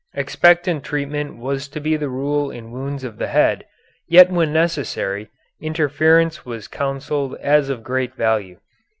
Expectant treatment was to be the rule in wounds of the head, yet when necessary, interference was counselled as of great value.